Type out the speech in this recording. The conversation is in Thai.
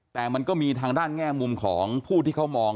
แต่มันก็มีทางด้านแง่มุมของผู้ที่เขามอง